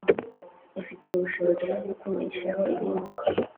ifite ubushobozi bwo kukumishaho ibizi